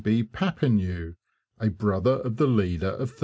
B. Papineau, a brother of the leader of '37.